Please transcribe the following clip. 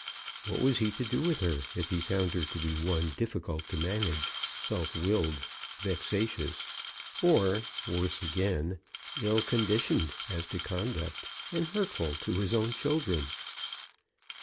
What was he to do with her if he found her to be one difficult to manage, self willed, vexatious, or, worse again, ill conditioned as to conduct, and hurtful to his own children?